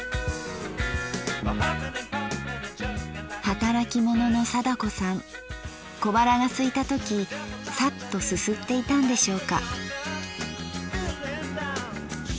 働き者の貞子さん小腹がすいた時サッとすすっていたんでしょうか。